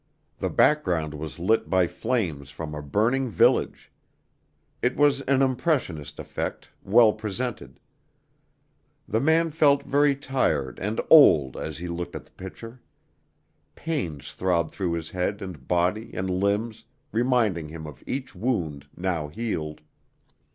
The background was lit by flames from a burning village. It was an impressionist effect, well presented. The man felt very tired and old as he looked at the picture. Pains throbbed through his head and body and limbs, reminding him of each wound now healed.